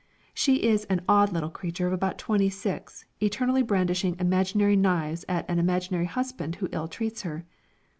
She is an odd little creature of about twenty six, eternally brandishing imaginary knives at an imaginary husband who ill treats her.